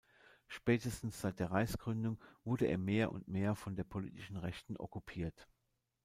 Spätestens seit der Reichsgründung wurde er mehr und mehr von der politischen Rechten okkupiert.